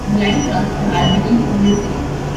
The line runs from Albany to Mill City.